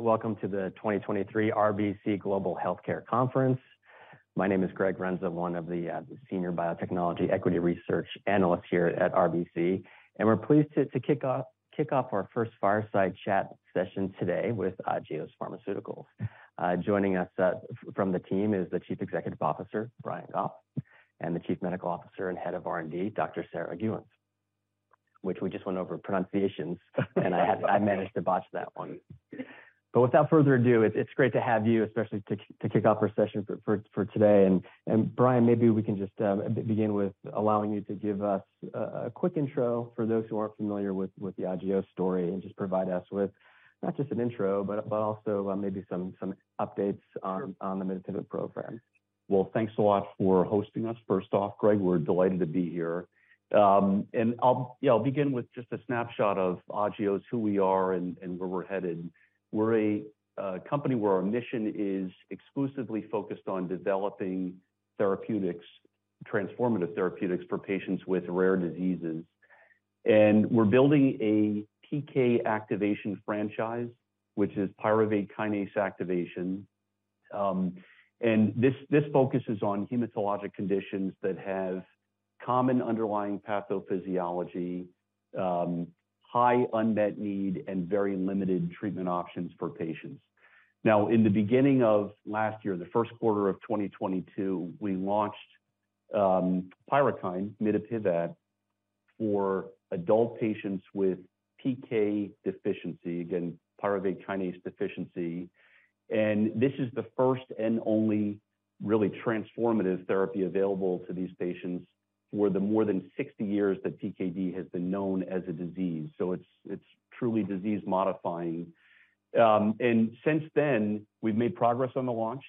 Welcome to the 2023 RBC Global Healthcare Conference. My name is Greg Renza, one of the senior biotechnology equity research analysts here at RBC. We're pleased to kick off our first fireside chat session today with Agios Pharmaceuticals. Joining us from the team is the Chief Executive Officer, Brian Goff, and the Chief Medical Officer and Head of R&D, Dr. Sarah Gheuens. Which we just went over pronunciations and I managed to botch that one. Without further ado, it's great to have you, especially to kick off our session for today. Brian, maybe we can just begin with allowing you to give us a quick intro for those who aren't familiar with the Agios story, and just provide us with not just an intro, but also maybe some updates on- Sure... on the mid-program. Well, thanks a lot for hosting us. First off, Greg, we're delighted to be here. I'll begin with just a snapshot of Agios, who we are and where we're headed. We're a company where our mission is exclusively focused on developing therapeutics, transformative therapeutics for patients with rare diseases. We're building a PK activation franchise, which is pyruvate kinase activation. This focuses on hematologic conditions that have common underlying pathophysiology, high unmet need and very limited treatment options for patients. Now, in the beginning of last year, the first quarter of 2022, we launched PYRUKYND, mitapivat, for adult patients with PK deficiency, again, pyruvate kinase deficiency. This is the first and only really transformative therapy available to these patients for the more than 60 years that PKD has been known as a disease. It's truly disease modifying. Since then, we've made progress on the launch.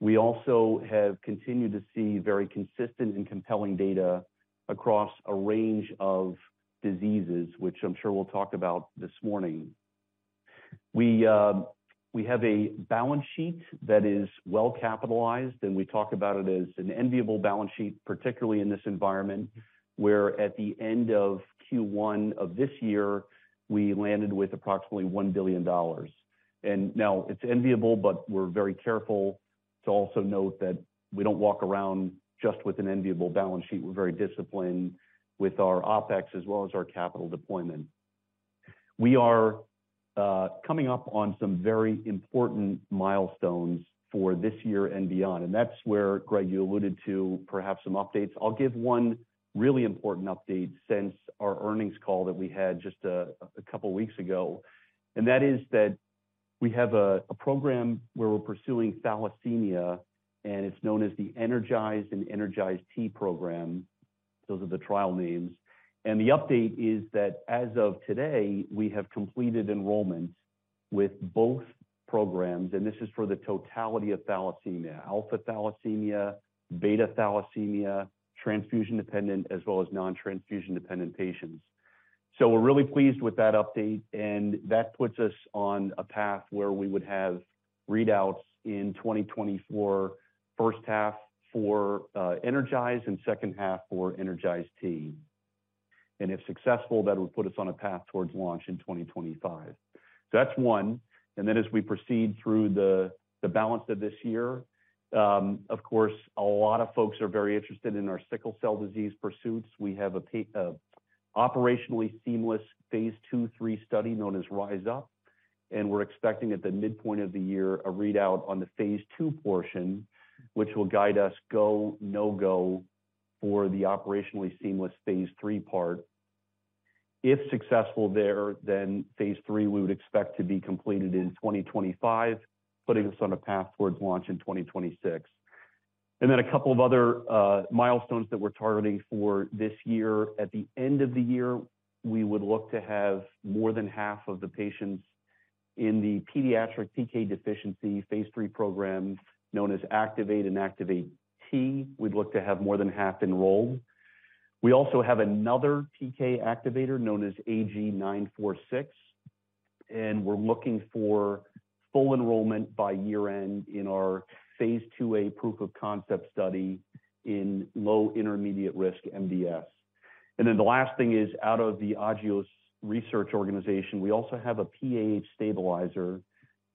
We also have continued to see very consistent and compelling data across a range of diseases, which I'm sure we'll talk about this morning. We have a balance sheet that is well-capitalized, we talk about it as an enviable balance sheet, particularly in this environment, where at the end of Q1 of this year, we landed with approximately $1 billion. Now it's enviable, but we're very careful to also note that we don't walk around just with an enviable balance sheet. We're very disciplined with our OpEx as well as our capital deployment. We are coming up on some very important milestones for this year and beyond, that's where, Greg, you alluded to perhaps some updates. I'll give one really important update since our earnings call that we had just a couple weeks ago, and that is that we have a program where we're pursuing thalassemia, and it's known as the ENERGIZE and ENERGIZE-T program. Those are the trial names. The update is that as of today, we have completed enrollment with both programs, and this is for the totality of thalassemia, alpha thalassemia, beta thalassemia, transfusion-dependent, as well as non-transfusion-dependent patients. We're really pleased with that update, and that puts us on a path where we would have readouts in 2024, first half for ENERGIZE and second half for ENERGIZE-T. If successful, that would put us on a path towards launch in 2025. That's one. As we proceed through the balance of this year, of course, a lot of folks are very interested in our sickle cell disease pursuits. We have a operationally seamless phase II/III study known as RISE UP, and we're expecting at the midpoint of the year a readout on the phase II portion, which will guide us go, no-go for the operationally seamless phase III part. If successful there, phase III we would expect to be completed in 2025, putting us on a path towards launch in 2026. A couple of other milestones that we're targeting for this year. At the end of the year, we would look to have more than half of the patients in the pediatric PK deficiency phase III programs known as ACTIVATE and ACTIVATE-T. We'd look to have more than half enrolled. We also have another PK activator known as AG-946, and we're looking for full enrollment by year-end in our phase IIa proof of concept study in low intermediate risk MDS. The last thing is, out of the Agios research organization, we also have a PAH stabilizer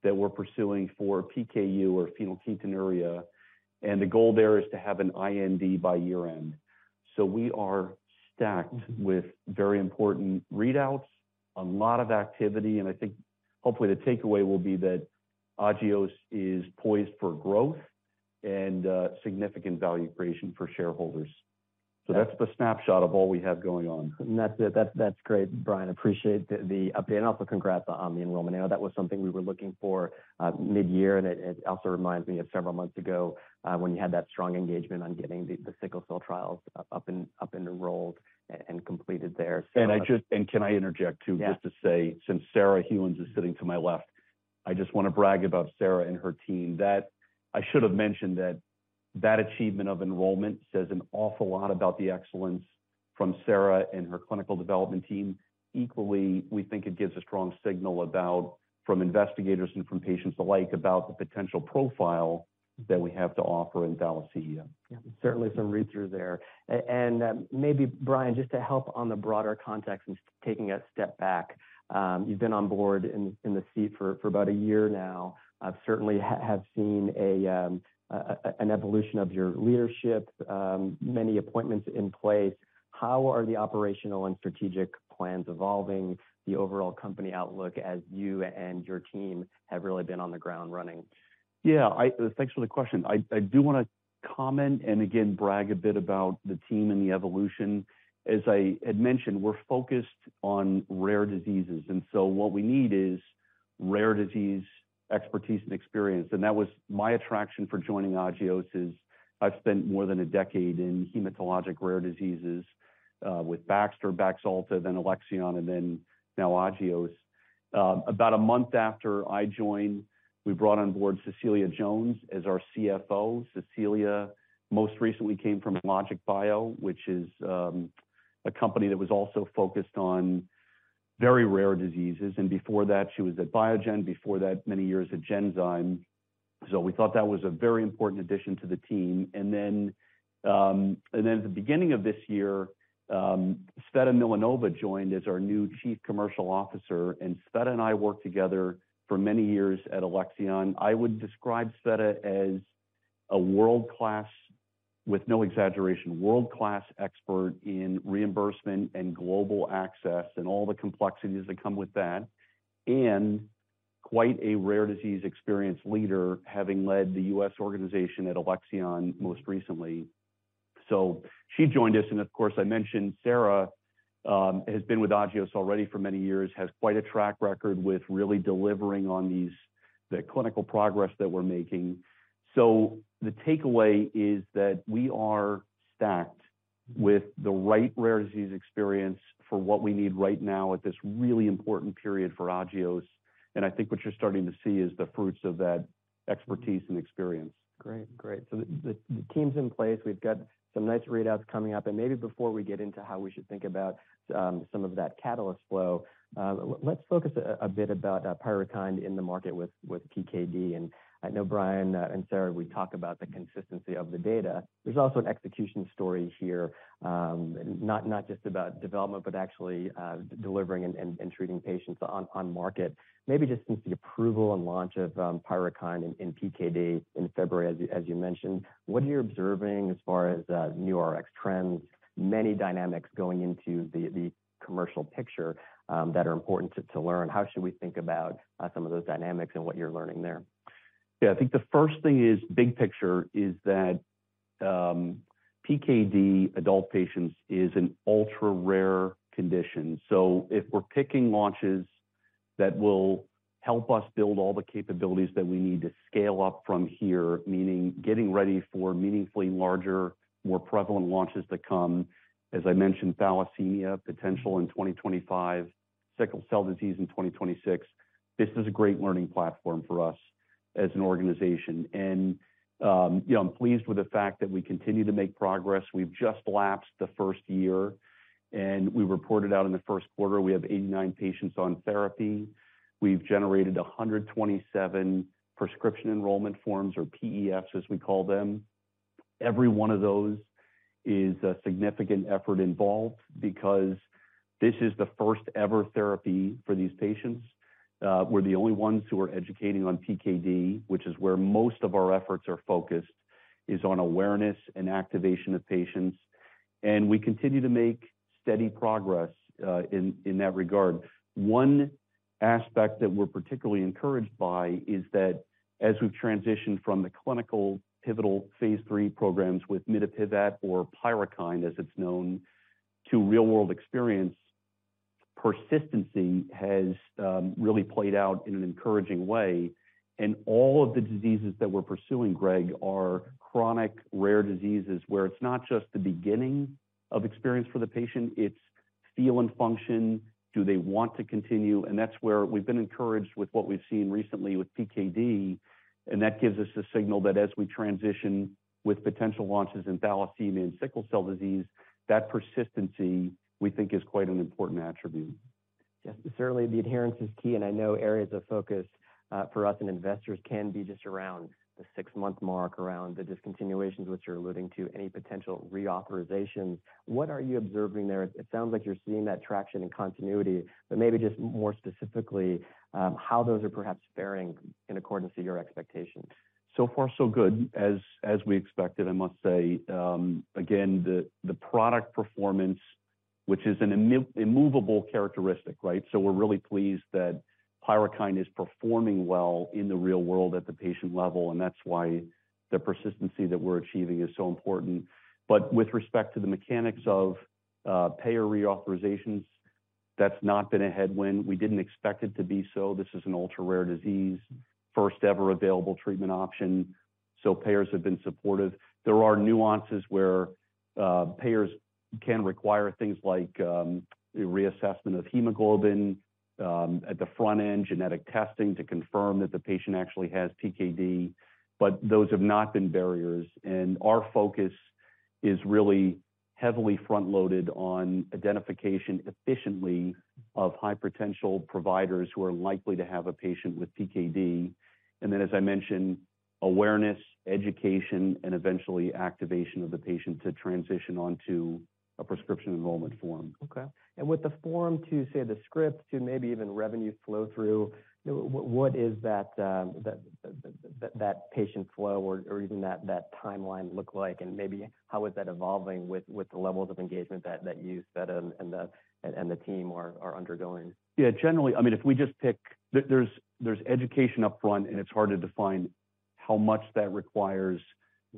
that we're pursuing for PKU or phenylketonuria, and the goal there is to have an IND by year-end. We are stacked with very important readouts, a lot of activity, and I think hopefully the takeaway will be that Agios is poised for growth and significant value creation for shareholders. That's the snapshot of all we have going on. That's it. That's great, Brian. Appreciate the update and also congrats on the enrollment. I know that was something we were looking for, mid-year, and it also reminds me of several months ago, when you had that strong engagement on getting the sickle cell trials up and enrolled and completed there. Can I interject too? Yeah... just to say, since Sarah Gheuens is sitting to my left, I just want to brag about Sarah and her team. I should have mentioned that that achievement of enrollment says an awful lot about the excellence from Sarah and her clinical development team. Equally, we think it gives a strong signal about, from investigators and from patients alike, about the potential profile that we have to offer in thalassemia. Yeah. Certainly some readers there. Maybe Brian, just to help on the broader context and taking a step back, you've been on board in the seat for about a year now. I've certainly have seen an evolution of your leadership, many appointments in place. How are the operational and strategic plans evolving the overall company outlook as you and your team have really been on the ground running? Yeah, thanks for the question. I do want to comment and again, brag a bit about the team and the evolution. As I had mentioned, we're focused on rare diseases. What we need is rare disease expertise and experience. That was my attraction for joining Agios is I've spent more than a decade in hematologic rare diseases with Baxter, Baxalta, then Alexion, and then now Agios. About a month after I joined, we brought on board Cecilia Jones as our CFO. Cecilia most recently came from LogicBio, which is a company that was also focused on very rare diseases. Before that, she was at Biogen, before that, many years at Genzyme. We thought that was a very important addition to the team. At the beginning of this year, Tsveta Milanova joined as our new Chief Commercial Officer, and Tsveta and I worked together for many years at Alexion. I would describe Tsveta as a world-class, with no exaggeration, world-class expert in reimbursement and global access, and all the complexities that come with that, and quite a rare disease experienced leader, having led the U.S. organization at Alexion most recently. She joined us, and of course, I mentioned Sarah has been with Agios already for many years, has quite a track record with really delivering on these, the clinical progress that we're making. The takeaway is that we are stacked with the right rare disease experience for what we need right now at this really important period for Agios. I think what you're starting to see is the fruits of that expertise and experience. Great. Great. The team's in place. We've got some nice readouts coming up. Maybe before we get into how we should think about some of that catalyst flow, let's focus a bit about PYRUKYND in the market with PKD. I know Brian and Sarah, we talk about the consistency of the data. There's also an execution story here, not just about development, but actually delivering and treating patients on market. Maybe just since the approval and launch of PYRUKYND in PKD in February, as you mentioned, what are you observing as far as new Rx trends, many dynamics going into the commercial picture that are important to learn? How should we think about some of those dynamics and what you're learning there? I think the first thing is big picture is that PKD adult patients is an ultra-rare condition. If we're picking launches that will help us build all the capabilities that we need to scale up from here, meaning getting ready for meaningfully larger, more prevalent launches to come, as I mentioned, thalassemia potential in 2025, sickle cell disease in 2026. You know, I'm pleased with the fact that we continue to make progress. We've just lapsed the first year, and we reported out in the first quarter, we have 89 patients on therapy. We've generated 127 prescription enrollment forms or PEFs, as we call them. Every one of those is a significant effort involved because this is the first-ever therapy for these patients. We're the only ones who are educating on PKD, which is where most of our efforts are focused, is on awareness and activation of patients. We continue to make steady progress in that regard. One aspect that we're particularly encouraged by is that as we've transitioned from the clinical pivotal phase three programs with mitapivat or PYRUKYND, as it's known, to real-world experience, persistency has really played out in an encouraging way. All of the diseases that we're pursuing, Greg, are chronic rare diseases where it's not just the beginning of experience for the patient, it's feel and function. Do they want to continue? That's where we've been encouraged with what we've seen recently with PKD, and that gives us a signal that as we transition with potential launches in thalassemia and sickle cell disease, that persistency, we think, is quite an important attribute. Yes. Certainly, the adherence is key, and I know areas of focus, for us and investors can be just around the 6-month mark, around the discontinuations, which you're alluding to, any potential reauthorization. What are you observing there? It sounds like you're seeing that traction and continuity, but maybe just more specifically, how those are perhaps faring in accordance to your expectations. So far so good. As we expected, I must say, again, the product performance, which is an immovable characteristic, right? We're really pleased that PYRUKYND is performing well in the real world at the patient level, and that's why the persistency that we're achieving is so important. With respect to the mechanics of payer reauthorizations, that's not been a headwind. We didn't expect it to be so. This is an ultra-rare disease, first ever available treatment option. Payers have been supportive. There are nuances where payers can require things like a reassessment of hemoglobin at the front end, genetic testing to confirm that the patient actually has PKD, but those have not been barriers. Our focus is really heavily front-loaded on identification efficiently of high-potential providers who are likely to have a patient with PKD. As I mentioned, awareness, education, and eventually activation of the patient to transition onto a prescription enrollment form. Okay. With the form to, say, the script to maybe even revenue flow through, what is that patient flow or even that timeline look like? Maybe how is that evolving with the levels of engagement that you set and the team are undergoing? Generally, I mean, if we just pick, there's education upfront, and it's hard to define how much that requires,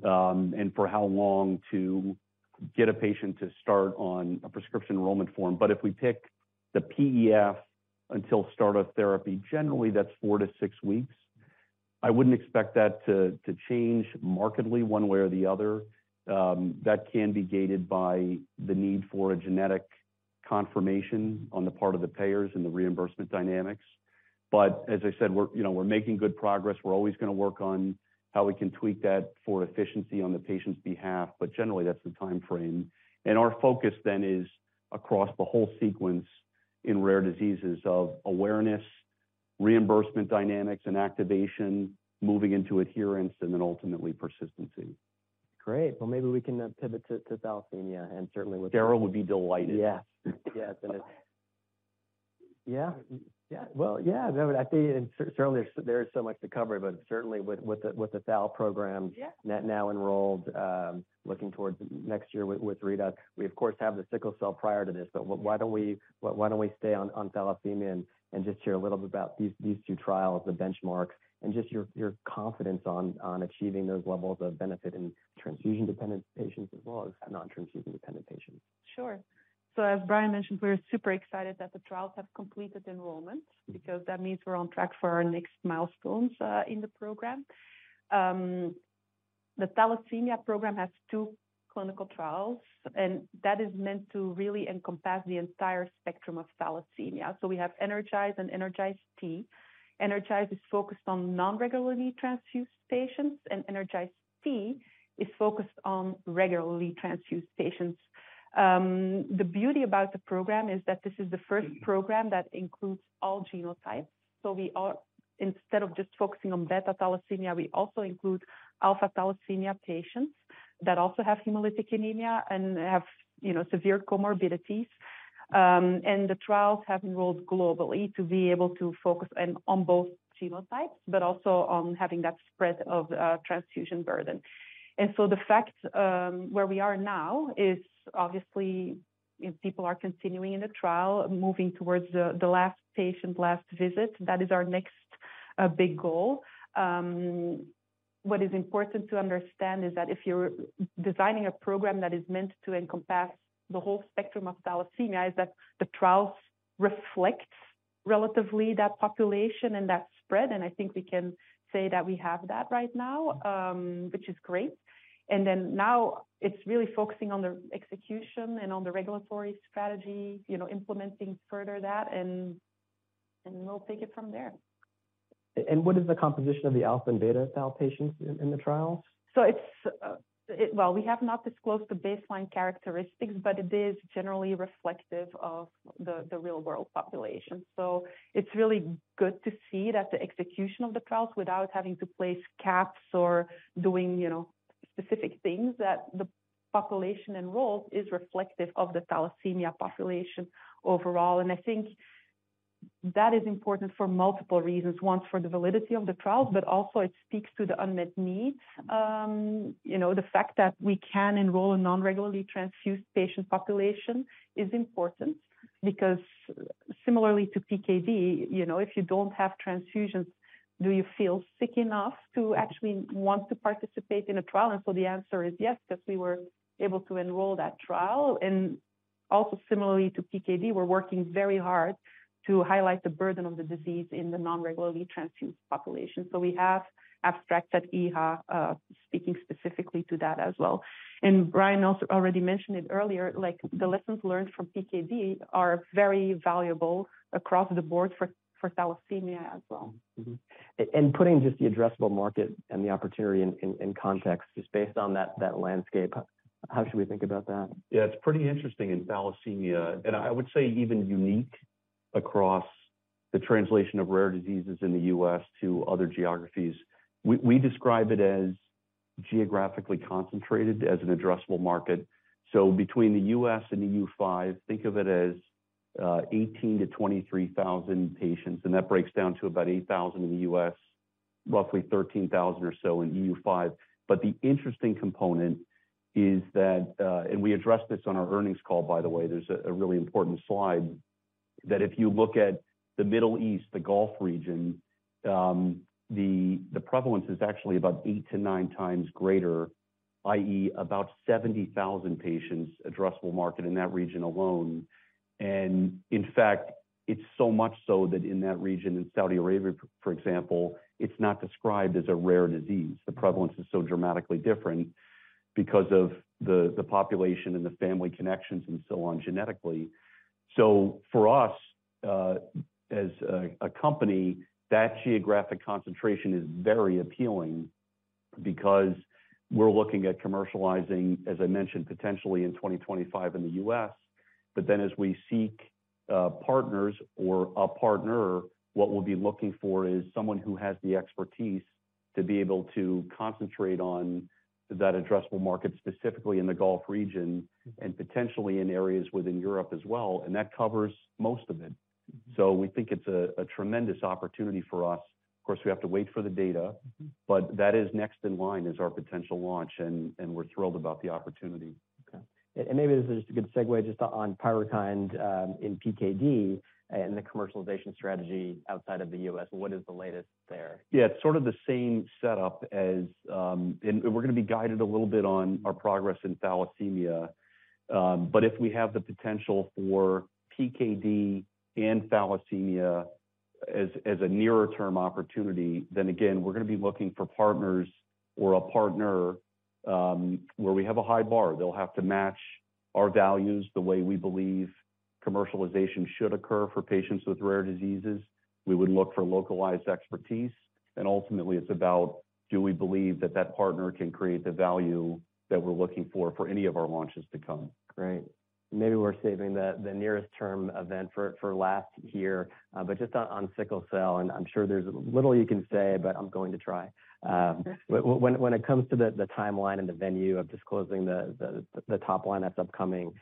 and for how long to get a patient to start on a prescription enrollment form. If we pick the PEF until start of therapy, generally that's four-six weeks. I wouldn't expect that to change markedly one way or the other. That can be gated by the need for a genetic confirmation on the part of the payers and the reimbursement dynamics. As I said, you know, we're making good progress. We're always going to work on how we can tweak that for efficiency on the patient's behalf, but generally that's the timeframe. Our focus is across the whole sequence in rare diseases of awareness, reimbursement dynamics, and activation, moving into adherence, and ultimately persistency. Great. Well, maybe we can now pivot to thalassemia and certainly. Darryl would be delighted. Yes. Yes. Yeah. Yeah. Well, yeah, I mean, I think certainly there's so much to cover, but certainly with the, with the thalassemia program... Yeah Net now enrolled, looking towards next year with readout. We, of course, have the sickle cell prior to this. Why don't we stay on thalassemia and just share a little bit about these two trials, the benchmarks, and just your confidence on achieving those levels of benefit in transfusion-dependent patients as well as non-transfusion-dependent patients? Sure. As Brian mentioned, we're super excited that the trials have completed enrollment because that means we're on track for our next milestones in the program. The thalassemia program has two clinical trials, and that is meant to really encompass the entire spectrum of thalassemia. We have ENERGIZE and ENERGIZE-T. ENERGIZE is focused on non-regularly transfused patients, and ENERGIZE-T is focused on regularly transfused patients. The beauty about the program is that this is the first program that includes all genotypes. Instead of just focusing on beta thalassemia, we also include alpha thalassemia patients that also have hemolytic anemia and have, you know, severe comorbidities. And the trials have enrolled globally to be able to focus on both genotypes, but also on having that spread of transfusion burden. The fact where we are now is obviously people are continuing in the trial, moving towards the last patient, last visit. That is our next big goal. What is important to understand is that if you're designing a program that is meant to encompass the whole spectrum of thalassemia, is that the trials reflect relatively that population and that spread. I think we can say that we have that right now, which is great. Now it's really focusing on the execution and on the regulatory strategy, you know, implementing further that, and we'll take it from there. What is the composition of the alpha and beta thal patients in the trials? Well, we have not disclosed the baseline characteristics, but it is generally reflective of the real-world population. It's really good to see that the execution of the trials without having to place caps or doing, you know, specific things that the population enrolled is reflective of the thalassemia population overall. I think that is important for multiple reasons. One, for the validity of the trial, but also it speaks to the unmet need. You know, the fact that we can enroll a non-regularly transfused patient population is important because similarly to PKD, you know, if you don't have transfusions, do you feel sick enough to actually want to participate in a trial? The answer is yes, because we were able to enroll that trial. Also similarly to PKD, we're working very hard to highlight the burden of the disease in the non-regularly transfused population. We have abstracts at EHA, speaking specifically to that as well. Brian also already mentioned it earlier, like the lessons learned from PKD are very valuable across the board for thalassemia as well. Mm-hmm. putting just the addressable market and the opportunity in context, just based on that landscape, how should we think about that? Yeah, it's pretty interesting in thalassemia, and I would say even unique across the translation of rare diseases in the U.S. to other geographies. We describe it as geographically concentrated as an addressable market. Between the U.S. and EU5, think of it as 18,000-23,000 patients, and that breaks down to about 8,000 in the U.S., roughly 13,000 or so in EU5. The interesting component is that, and we address this on our earnings call, by the way, there's a really important slide, that if you look at the Middle East, the Gulf region, the prevalence is actually about eight to nine times greater, i.e., about 70,000 patients addressable market in that region alone. In fact, it's so much so that in that region, in Saudi Arabia, for example, it's not described as a rare disease. The prevalence is so dramatically different because of the population and the family connections and so on genetically. For us, as a company, that geographic concentration is very appealing because we're looking at commercializing, as I mentioned, potentially in 2025 in the U.S. As we seek partners or a partner, what we'll be looking for is someone who has the expertise to be able to concentrate on that addressable market, specifically in the Gulf region and potentially in areas within Europe as well. That covers most of it. We think it's a tremendous opportunity for us. Of course, we have to wait for the data, but that is next in line as our potential launch, and we're thrilled about the opportunity. Okay. Maybe this is just a good segue just on PYRUKYND in PKD and the commercialization strategy outside of the U.S. What is the latest there? Yeah, it's sort of the same setup as. We're going to be guided a little bit on our progress in thalassemia. If we have the potential for PKD and thalassemia as a nearer-term opportunity, again, we're going to be looking for partners or a partner where we have a high bar. They'll have to match our values the way we believe commercialization should occur for patients with rare diseases. We would look for localized expertise, and ultimately it's about do we believe that that partner can create the value that we're looking for for any of our launches to come. Great. Maybe we're saving the nearest term event for last here, but just on sickle cell, and I'm sure there's little you can say, but I'm going to try. When it comes to the timeline and the venue of disclosing the top line that's upcoming,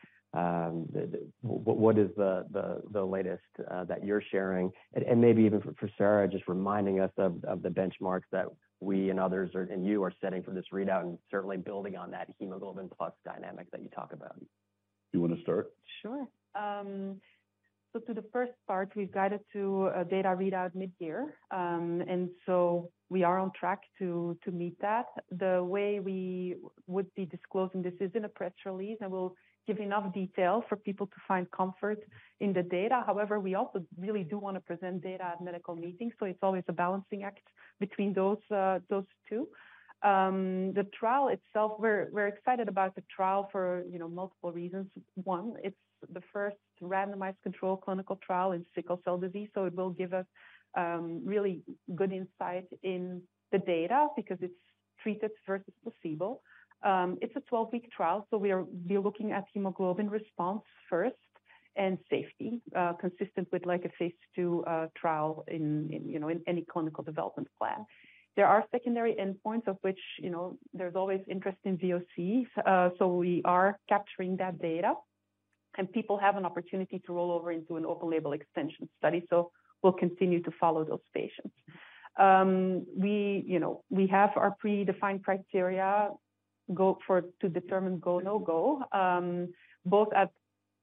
what is the latest that you're sharing? Maybe even for Sarah Gheuens, just reminding us of the benchmarks that we and others are and you are setting for this readout and certainly building on that hemoglobin response dynamic that you talk about. You want to start? Sure. To the first part, we've guided to a data readout mid-year. We are on track to meet that. The way we would be disclosing this is in a press release, and we'll give enough detail for people to find comfort in the data. However, we also really do want to present data at medical meetings, so it's always a balancing act between those two. The trial itself, we're excited about the trial for, you know, multiple reasons. One, it's the first randomized control clinical trial in sickle cell disease, so it will give us really good insight in the data because it's treated versus placebo. It's a 12-week trial, so we're looking at hemoglobin response first and safety, consistent with like a phase two trial in, you know, in any clinical development plan. There are secondary endpoints of which, you know, there's always interest in VOCs, so we are capturing that data, and people have an opportunity to roll over into an open label extension study. We'll continue to follow those patients. We, you know, we have our predefined criteria to determine go, no-go, both at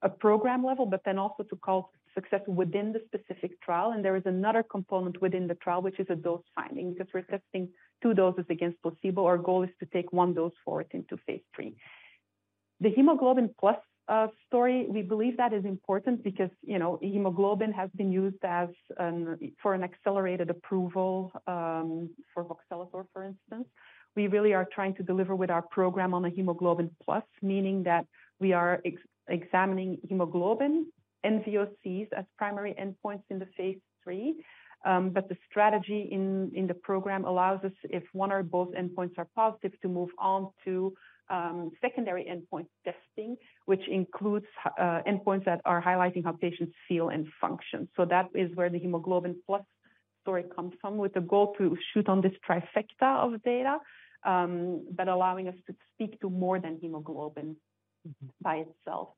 a program level, but then also to call success within the specific trial. There is another component within the trial, which is a dose finding, because we're testing two doses against placebo. Our goal is to take one dose forward into phase three. The hemoglobin response story, we believe that is important because, you know, hemoglobin has been used as for an accelerated approval for voxelotor, for instance. We really are trying to deliver with our program on a hemoglobin response, meaning that we are examining hemoglobin and VOCs as primary endpoints in the phase three. The strategy in the program allows us, if one or both endpoints are positive, to move on to secondary endpoint testing, which includes endpoints that are highlighting how patients feel and function. That is where the hemoglobin response story comes from, with the goal to shoot on this trifecta of data, but allowing us to speak to more than hemoglobin by itself.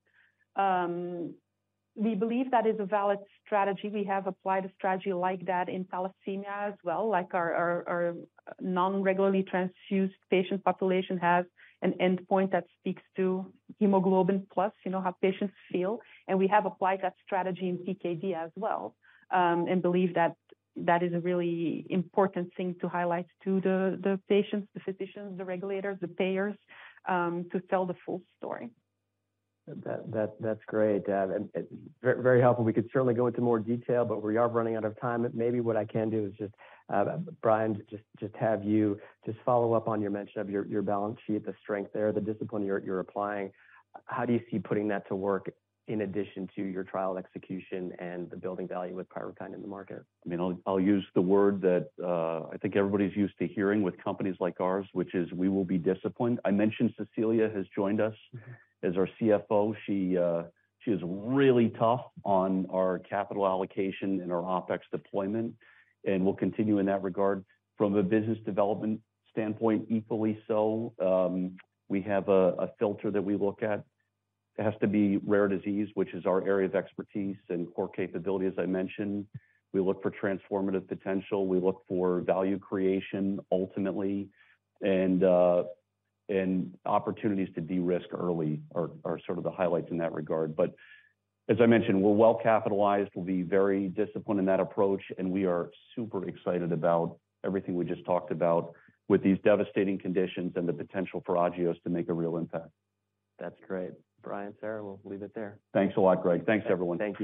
We believe that is a valid strategy. We have applied a strategy like that in thalassemia as well. Like, our non-regularly transfused patient population has an endpoint that speaks to hemoglobin response, you know, how patients feel. We have applied that strategy in PKD as well, and believe that that is a really important thing to highlight to the patients, the physicians, the regulators, the payers, to tell the full story. That's great. Very helpful. We could certainly go into more detail, but we are running out of time. Maybe what I can do is just Brian, just have you follow up on your mention of your balance sheet, the strength there, the discipline you're applying. How do you see putting that to work in addition to your trial execution and the building value with PYRUKYND in the market? I mean, I'll use the word that I think everybody's used to hearing with companies like ours, which is we will be disciplined. I mentioned Cecilia has joined us as our CFO. She is really tough on our capital allocation and our OpEx deployment. We'll continue in that regard. From a business development standpoint, equally so, we have a filter that we look at. It has to be rare disease, which is our area of expertise and core capability, as I mentioned. We look for transformative potential. We look for value creation ultimately, and opportunities to de-risk early are sort of the highlights in that regard. As I mentioned, we're well capitalized. We'll be very disciplined in that approach, and we are super excited about everything we just talked about with these devastating conditions and the potential for Agios to make a real impact. That's great. Brian, Sarah, we'll leave it there. Thanks a lot, Greg. Thanks, everyone.